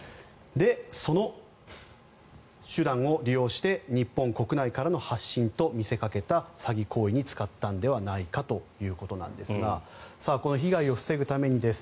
その手段を利用して日本国内からの発信とみせかけた詐欺行為に使ったのではないかということですがこの被害を防ぐためにです。